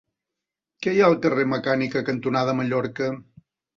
Què hi ha al carrer Mecànica cantonada Mallorca?